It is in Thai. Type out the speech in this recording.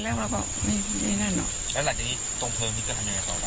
แล้วหลักจากนี้ตรงเพลิงนี้ก็ทำไร